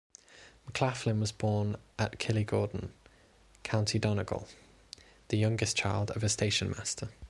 McLaughlin was born at Killygordan, County Donegal, the youngest child of a stationmaster.